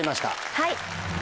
はい！